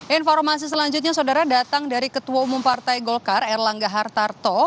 informasi selanjutnya saudara datang dari ketua umum partai golkar erlangga hartarto